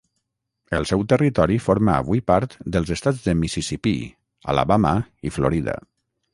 El seu territori forma avui part dels estats de Mississipí, Alabama i Florida.